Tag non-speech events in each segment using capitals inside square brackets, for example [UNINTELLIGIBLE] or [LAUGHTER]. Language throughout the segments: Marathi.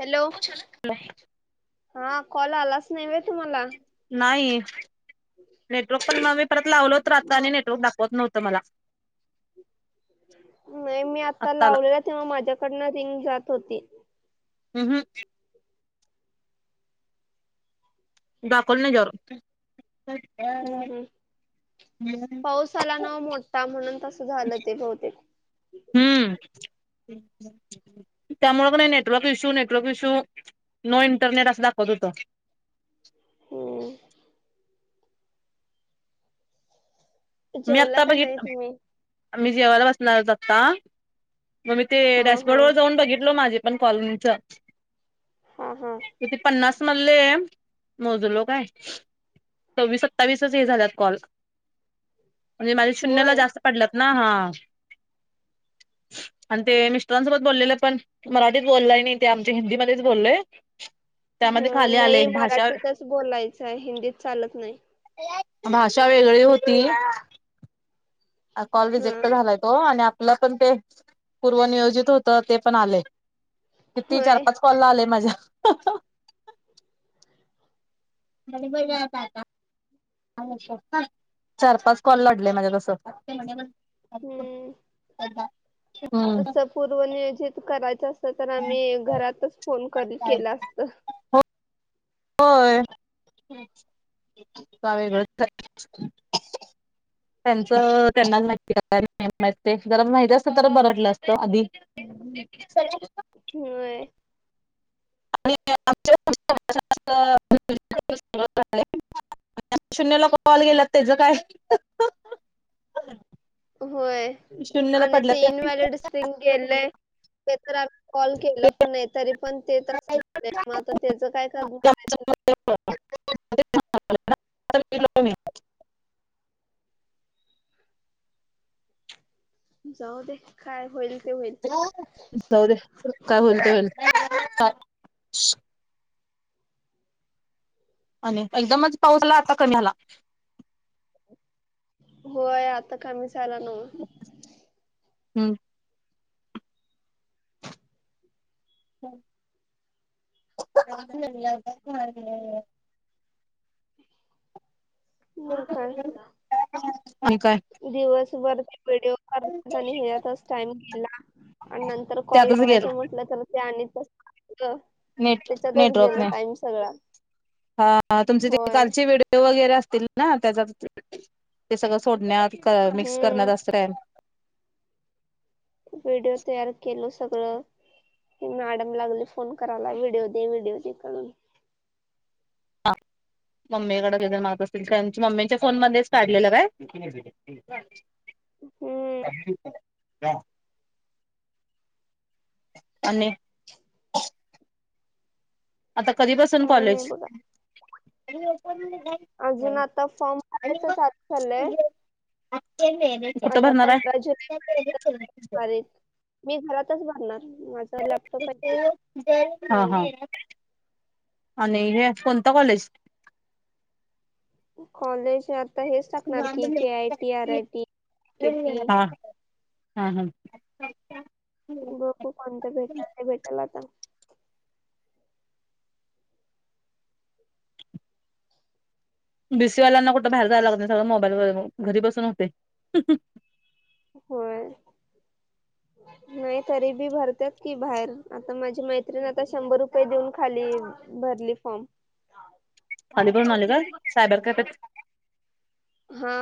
हॅलो हा कॉल आलाच नाही वय तुम्हाला. नाही नेटवर्क पण मग मी परत लावलोत. राहत म आणि नेटवर्क दाखवत नव्हतं मला. नाही मी आता आत्ताला लावलेला, तेव्हा माझ्याकडन रिंग जात होती. हम् हम. [UNINTELLIGIBLE] दाखल नाही जरू. [INAUDIBLE] पाऊसाला न मोठा म्हणून तसं झालं ते बहुतेक. हम्म. त्यामुळ पण नाही network issue network issue no internet असं दाखवत होत. ह. मी जेवला आत्ता का नाही बघितित. तुम्ही मी जेवायला बसणार आातता मग मी ते हा हा डॅशबोर्ड वर जाऊन बघितलो माझे. पण कॉलनी च हा हा तथे पन्स. म्हणले मोजू लो काय. सव्वीस सत्तावीसच हे झाल्यात कॉल म्हणजे माझ्या शून्यला होय जास्त पडल्यात. ना हा. [INAUDIBLE] आणि ते मिस्टरांसोबत बोललेलं पण मराठीच बोललय नाही ते आमच्या हिंदीमध्येध्येच बोललोय. ह त्यामध्ये खाली आले नाही भाषा मराठीतच बोलायचं आहे हिंदीत चालत नाही. भाषा वेगळी होती. कॉल रिजक्ट हा झालाय तो आणि. पण ते पूर्व निियोजित होत ते पण आले. किती चार होय पाच कॉलला आले माझ्या. आणि बजाताता. चार पाच कॉल लढले माझ्या तस. हम्म [UNINTELLIGIBLE] हम्म असं पूर्व नियोजित करायचं अस त तर आम्ही घरातच फोन कर केलं असत. होय का वेगळं [INAUDIBLE] त्यांच त्यांनाच माहिती मा जरा माहिती असत तर बरटलं असत आधी. [UNINTELLIGIBLE] होय. आणि आमच्या [UNINTELLIGIBLE] शून्यला कॉल गेल्यात त्याच काय? होय शून्यला आणि पडल्या ते इन व्हॅलिड स्ट्रिंग गेलंय ते तर कॉल केलं पण नाही तरी पण ते तसं होतंय मग आता त्याच काय करणार आहे तुम्ही? [UNINTELLIGIBLE] जाऊ दे काय होईल. ते होईल जाऊदे काय होईल ते होईल. आणि एकदमच पाऊसा आला आता कमी आला. होय आता कमी झाला नव्ह. हम्म. हां [UNINTELLIGIBLE] म काय आणि काय दिवसभर व्हिडिओ कर आणि हेच्यातच टाइम गेला. आणि नंतर कॉल त्यातच गेलं लावायचं म्हटलं तर ते आणि तसं नेट त्याच्यातच नेटवर्क गेलं नाही. टाइम सगळा हां तुमचे ते होय कालचे व्हिडीओ वगैरे असतील. ना त्याचात ते सगळं सोडण्यात मिक्स करण्यात हम्म असत काय. व्हिडिओ तयार केलो सगळं मॅडम लागली फोन करायला व्हिडिओ दे व्हिडिओ दे करून. हां मम्मीकड ते जण मागत असतील कार मम्मींच्या फोन मध्येच काढलेलं काय? हम्म [UNINTELLIGIBLE] आणि. आता कधीपासून काय नाही कॉलेज? बघा अजून आता फॉर्म भरायच चालू चाललाय कुठं आता भरणार पंधरा जुलै पर्यंत तारीख, मी घरात तच भरणार. माझा लॅपटॉप आहे हां हम्म. हां. आणि हे कोणत कॉलेज? कॉलेज हेच टाकणार की K I T R I T K T हां हां हम्म [UNINTELLIGIBLE] बघू कोणत भेटातय ते भेटलं आता. बीसीवाल्यांना कुठं बाहेर जायला लागत नाही सगळं मोबाईल व घरी बसून होते. होय. नाही तरी बी भारत्यात की बाहेर आता माझी मैत्रिणी आता शंभर रुपये देऊन खाली भरली फॉर्म. खाली भरून आली काय सायबर कॅफेत. हा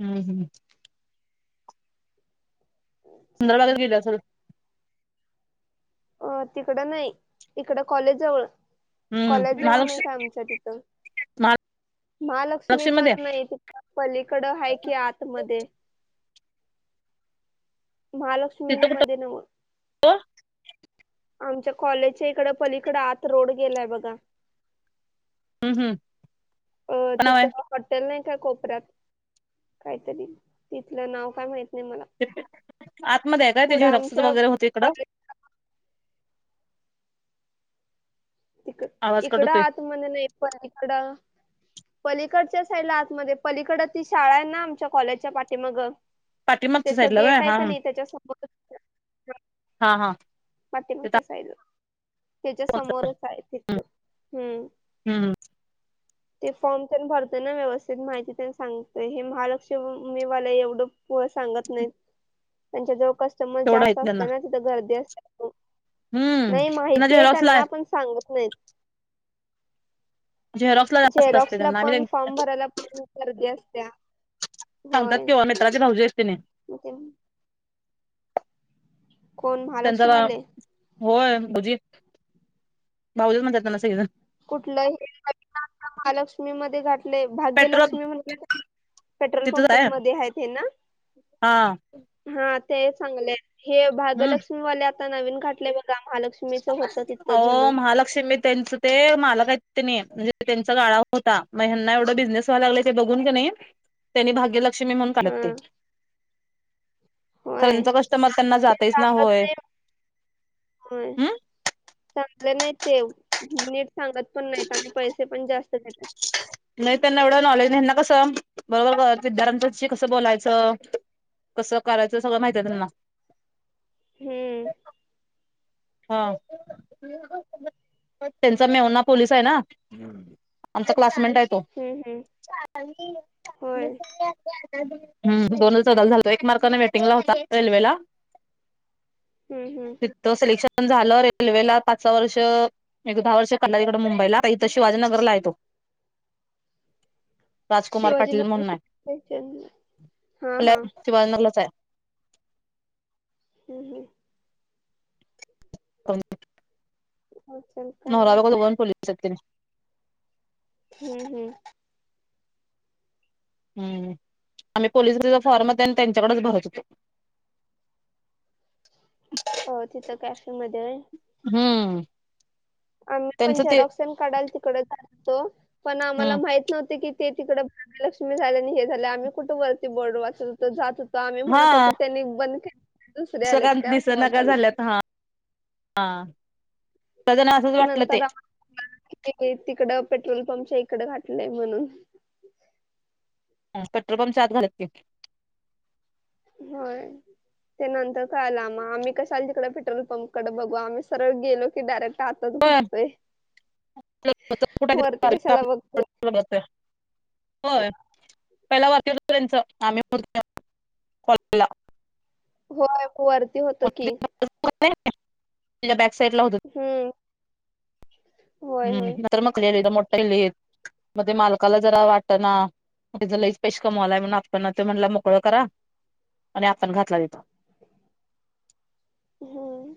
हम्म हम्म. सुंदर बागेत गेली असल. अ तिकडं नाही इकड कॉलेज जवळ. कॉलेज हम्म जवळ नाही महालक्ष्मी का आमच्या तिथं? महालक्ष्मी पण नाही ति पलीकडं आहे कि आतमध्ये महालक्ष्मी तिथं मध्ये नव आमच्या कॉलेजच्या इकड पलीकडं आत रोड गेलाय बघा हम्म हम्म हो काय नाव आहे चितित हॉटेल नाही त्या कोपऱ्यात काहीतरी तिथलं नाव काय माहित नाही मला आतमध्ये आहे काय ते पुढं झेरॉक्स आमच्या वगैरे होते इकडं कॉलेज इक आवाज कट इकड होतोय आत मध्ये नाही इकड पलीकडच्या साईड लाआतमध्ये पलीकड ती शाळा आहे ना आमच्या कॉलेजच्या पाठी मगं पाठीमागच्या त्याच साईडला व्हय गेट आहे हा का नाही त्याच्या समोर हा हा तिथं पाठीमागचा साईड ला त्याच्या समोरच आहे तिथ हम् हम्म ते फॉर्म प भरतोय ना व्यवस्थित माहिती त्यां सांगतय हे महालक्षमी मला एवढं नाही त्यां कस्टमर तेवढं आहेत जास्त त्यांना असतय न तिथ गर्दी असते हम्म नाही त्यांना माहिती आहे झेरॉक्सला त्यांना पण सांगत नाही झेरॉक्सला जास्त झेरॉक्स असते ला त्यांना आम्ही पण फॉर्म भरायला पण गर्दी असत्या सांगतात होय केव्हा मित्राचे नवजे असतेने मग ते कोण त्यांचाला महालक्ष्मीवाले होय म्हजी भाऊजी म्हणतातना सगं कुठ महालक्ष्मी म घ नाही पेट्रोल भाग्यलक्ष्मी म्हणाला पेट्रोल तिथंच पंप आहे मध्ये आहेत हे ना हा हा ते चांगलंय हे हम्म भाग्यलक्ष्मीवाले आता नवीन घाठले बघा महालक्ष्मीचं होतं तिथं अवो जुनं महालक्ष्मी तेनसते महालक्ष म्हणजे त्यांचा गाळा होता मग हना एवढं बिझनेस व्हायला लागला ते बघून की नाही त्यांनी भाग्यलक्ष्मी म्हणून काढतते हा खर होय कस्टमर त्यांना ते जातच ना सांगत होय नाही होय हम् चांगले नाही ते नीट सांगत पण नाहीत आणि पैसे पण जास्त नाही त्यांना एवढं नॉलेज नाही ना कसं बरोबर विद्यार्थ्यांशी कसं बोलायचं कसं करायचं सगळं माहित आहे त्यांना हम्म हा त्यांचा मेवना पोलीस आहे ना आमचा क्लासमेंट आहे तो हम्म हम्म होय हम दोनौल झा एक मार्काने वेटिंग ला होता रेल्वेला हम्म हम्म फ त सलेक्शन पण झालं रेल्वेला पाच सहा वर्ष एक दहा वर्ष काढलं तिकड मुंबईला इथं शिवाजीनगरला येतो [INAUDIBLE] राजकुमार शिवाजी पाटील नगर म्हणून ख हा आपल्या हा शिवाजीनगरलाच आहे. हम् हम ह असेल काय नल माहित ब पोलातते हम्म हम्म हम्म आम्ही पोलिस त फॉर्मत त्यांच्याकडेच भरत होतो हो तिथं कॅफे मध्ये हम्म आम्ही पण त्यांचं ते झेरक्सन काढायला तिकडे तो पण आम्हाला हम्म. माहित नव्हते की ते तिकडं ब्र्यलक्ष्मी झाल्या आणि हे झालं आम्ही कुठं वरती बॉर्डर वाचतो जात तो आम्ही म्हणत होतो त्यांनी बंद के सका दिसना का झाल्यात हां हा त्या जण असंच वाटलं ते नंतर तिकड पेट्रोल पंपच्या इकडे घातलय म्हणून हा पेट्रोल पंपच्या आत घालत होय. ते नंतर काय आलं आम्हा आम्ही कशाला तिकडे पेट्रोल पंप कडे बघू आम्ही सरळ गेलो कि डायरेक्ट आतच घुसतोय. कुठ वरती कशाला बघतोय होय. पहिला वाटल त्यांचं आम्ही पण कॉल केला. होय वरती होत की नाही नाही त्याच्या बॅक साईड ला होत. हम्म हम्म होय होय. नंतर तर मोठ्याली मग ते मालकाला जरा वाटना तं लईच पैश कमावलाय म्हणा आपणना ता म्हणला मोकळ करा. आणि आपण घातला देतो. हम्म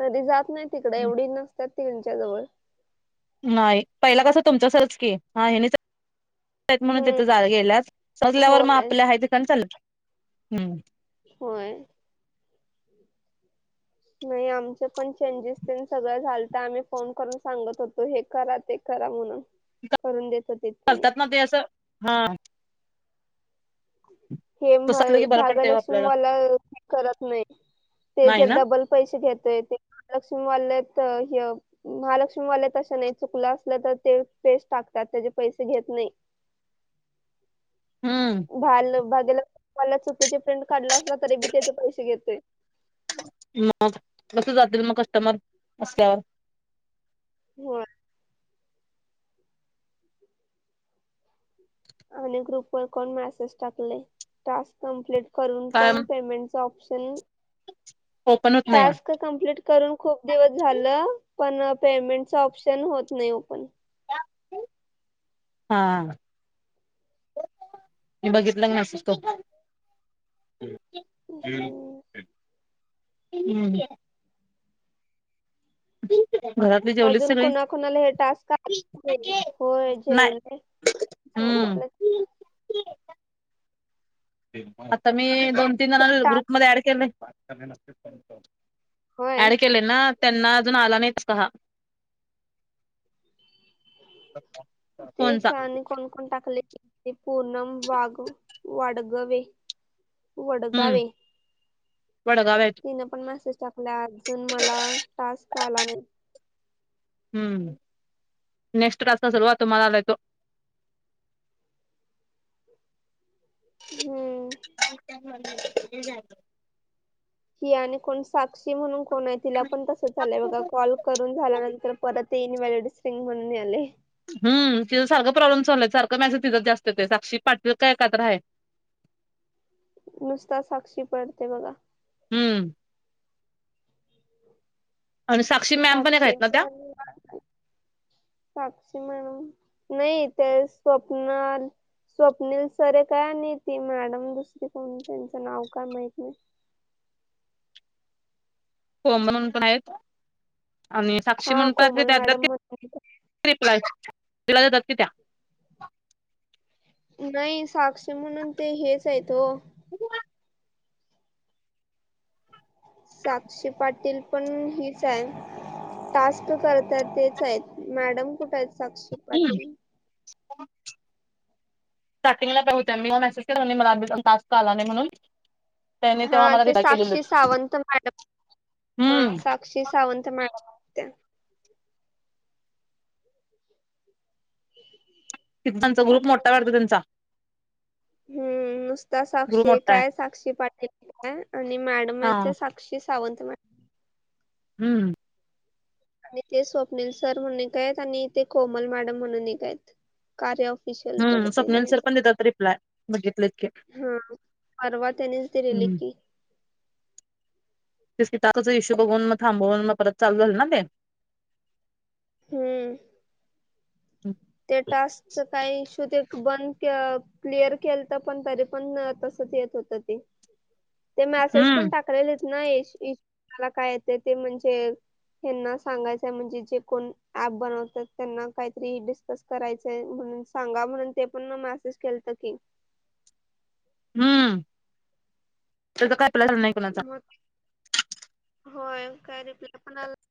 कधी जात नाही तिकड एवढी नसतात त्यांच्या जवळ नाही पहिला कसं तुमचं असलच की हा यांनीच म्हणून हम्म. तिथे गेल्यास सजल्यावर मग होय आपल आहे ते काम चालू हम्म होय. नाही आमचे पण चेंजेस तेन सगळ झालत आम्ही फोन करून सांगत होतो हे करा ते करा. ते करा म्हणून करून देत होतीत त्यांनी करतात मग ते असं हा हे तसं असलं की बरं पडतंय ओ भागलक्ष्मी आपल्याला मला हे करत नाही. नाही त्याच्या ना डबल पैसे घेतय ते महालक्ष्मीवाले ह महालक्ष्मीवाले तशे नाही चुकलं असलं तर ते तेच टाकतात त्याचे पैसे घेत नाही. [UNINTELLIGIBLE] हम्म भाग भाग्यलक्ष्मी वाला चुकीची प्रिंट काढला असला तरी बी त्याचे पैसे घेतोय. मग कस जातील मग कस्टमर असल्यावर होय. आणि ग्रुप वर कोण मॅसेज टाकले टास्क कम्प्लीट करून काय पण पेमेंटच ऑप्शन ओपन होत नाही टास्क कम्प्लीट करून खूप दिवस झालं पण पेमेंट चा ऑप्शन होत नाही ओपण हा मी बघितला मेसेज कम्प्लीट ओ‌ हो हम्म [UNINTELLIGIBLE] जेवलीत अजून सगळी कोणाकुणाला हे टास्क आहे माहीतच नाही होय नाही जेवले हम्म झोपालेत आता मी दोन तीन हे जणांना टास्क ग्रुप मध्ये ऍड केलय. होय ऍड केले ना त्यांना अजून आला नाहीच काहा तेच आणि कोण कोण टाकले ते पूनम वाघ वाढगवे हम्म वडगावे वडगाव आहेत तिन पण मेसेज टाकला अजून मला टास्क आला नाही. हम्म नेक्स्ट क्सासला सुरुवात तुम्हालाल देतो. [UNINTELLIGIBLE] हम्म [INAUDIBLE] ही आणि कोण साक्षी म्हणून कोण आहे तिला पण तस झालय बघा कॉल करून झाल्यानंतर परत तेनवाल शिंग म्हणले हम् तिथं सारखं प्रॉब्लेम चाललाय सारखं मॅसेज तिथ जास्त येते साक्षी पाटील काय एकत्र आहे नुसता साक्षी पडते बघा हम्म आणि मॅम पण एक साक्षी आहेत ना त्या साक्ष म्हणून नाही तर स्वप्ना स्वप्नीिल सरे काय ती मॅडम दुसरी कोण त्यांचं नाव काय माहित नाही [INAUDIBLE] हो म्हणून आहेत आणि साक्षी हा म्हणतात कोमल त्या मॅडम म्हणून रिप्लाय तला जातात की त्या नाही साक्षी म्हणून ते हेच आहेत हो ह साक्षी पाटील पण हीच आहे टास्क करत तेच आहेत मॅडम कुठे आहेत साक्षी हम्म पाटील [INAUDIBLE] स्टार्टिंगला काय होत्या मी हा मेसेज केला मला ताजत आला नाही म्हणून त्याने तेव्हा हा मला ते रिप्लाय केलेलं साक्षी सावंत मॅडम हा हम्म साक्षी सावंत मॅडम त्या हम् ि त्यांचा ग्रुप मोठा वाटतो त्यांचा हम्म नुसता ग्रुप साक्षी मोठा आहे काय साक्षी पाटय आणि मड हा मा साक्ष सावंत मड हम्म आणि ते स्वप्नील सर म्हणून का आहेत आणि ते कोमल मॅडम म्हणून एकय आहेत कार्य ऑफ हम् स्वप्नील सल पण देतात रिप्लाय बघितलं इतके हा परवा त्यानेच दिलेले की त क ताकचा इश्यू बघून मग थांबवून मग परत चालू झालं ना ते हम्म ते टास्कच काही तू ते बंद क्लिअर केल तर पण तरी पण तसच येत होत ते ते मेसेज हम्म पण टाकलेले आहेत नाश मला काय येत ते म्हणजे त्यांना सांगायचंय म्हणजे जे कोण ऍप बनवतात त्यांना काहीतरी कस करायचं म्हणून सांगा म्हणून ते पण मेसेज केलत की हम्म त्याचा काय पला झाला नाही कोणाचा मग होय काय रिप्लाय पण आला